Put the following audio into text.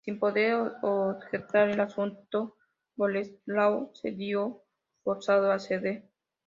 Sin poder objetar el asunto Boleslao se vio forzado a ceder.